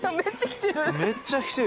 めっちゃ来てる。